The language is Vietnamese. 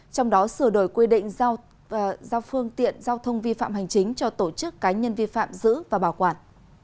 trong đó sửa đổi quy định giao phương tiện giao thông vi phạm hành chính cho tổ chức cá nhân vi phạm giữ và bảo quản